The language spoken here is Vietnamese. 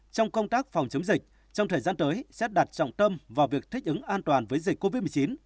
trong công tác phòng chống dịch trong thời gian tới sẽ đặt trọng tâm vào việc thích ứng an toàn với dịch covid một mươi chín